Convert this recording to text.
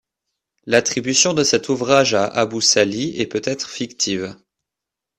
L'attribution de cet ouvrage à Abu Salih est peut-être fictive.